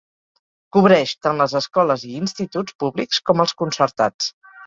Cobreix tant les escoles i instituts públics com els concertats.